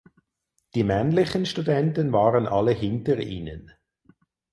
Die männlichen Studenten waren alle hinter ihnen.